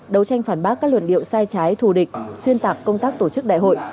đấu tranh phản bác các luận điệu sai trái thù địch xuyên tạc công tác tổ chức đại hội